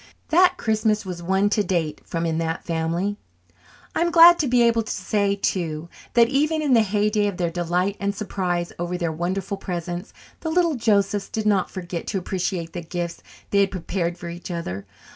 That Christmas was one to date from in that family. I'm glad to be able to say, too, that even in the heyday of their delight and surprise over their wonderful presents, the little Josephs did not forget to appreciate the gifts they had prepared for each other.